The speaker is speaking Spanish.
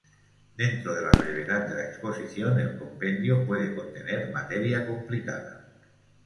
Dentro de la brevedad de la exposición, el compendio puede contener materia complicada.